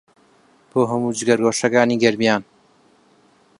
بۆ هەموو جگەرگۆشەکانی گەرمیان